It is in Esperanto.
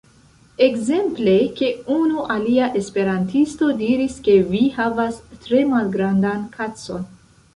Ekzemple ke unu alia esperantisto diris ke vi havas tre malgrandan kacon.